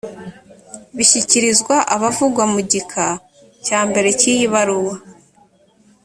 bishyikirizwa abavugwa mu gika cya mbere cy iyi baruwa